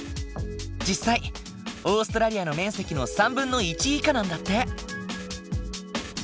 実際オーストラリアの面積の３分の１以下なんだって。